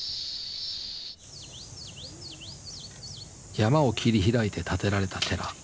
山を切り開いて建てられた寺。